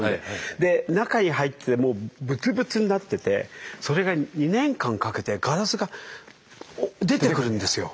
で中に入ってもうぶつぶつになっててそれが２年間かけてガラスが出てくるんですよ。